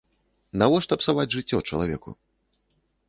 Навошта псаваць жыццё чалавеку?